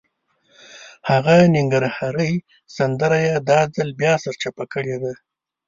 هغه ننګرهارۍ سندره یې دا ځل بیا سرچپه کړې ده.